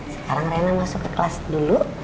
sekarang rena masuk ke kelas dulu